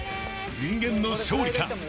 ［人間の勝利か？